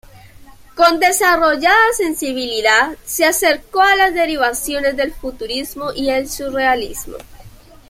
Con desarrollada sensibilidad se acercó a las derivaciones del futurismo y el surrealismo.